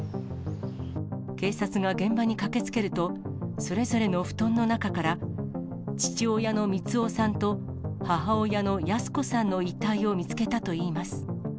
警察が現場に駆けつけると、それぞれの布団の中から、父親の三男さんと母親の泰子さんの遺体を見つけたといいます。